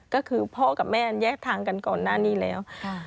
ก็คือพ่อกับแม่แยกทางกันก่อนหน้านี้แล้ว